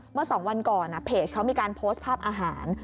เมื่อ๒วันก่อนเพจเขามีการโพสต์ภาพอาหาร